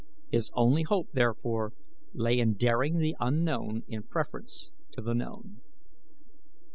His only hope, therefore, lay in daring the unknown in preference to the known.